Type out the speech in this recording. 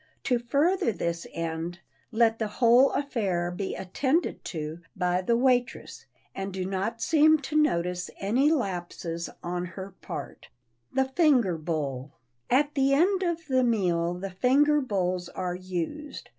To further this end, let the whole affair be attended to by the waitress, and do not seem to notice any lapses on her part. [Sidenote: THE FINGER BOWL] At the end of the meal the finger bowls are used.